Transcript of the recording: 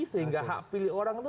sehingga hak pilih orang itu